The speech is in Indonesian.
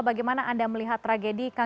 bagaimana anda melihat tragedi kang junaidi